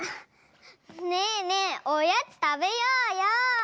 ねえねえおやつたべようよ！